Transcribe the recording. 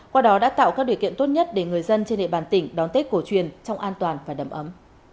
qua đó đã tạo các điều kiện tốt nhất để người dân trên địa bàn tỉnh đón tết cổ truyền trong an toàn và đầm ấm